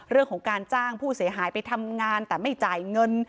เรื่องของการจ้างผู้เสียหายไปทำงานแต่ไม่จ่ายเงิน